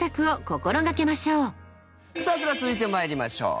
さあそれでは続いて参りましょう。